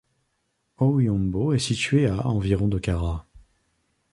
Ouyombo est situé à environ de Kara.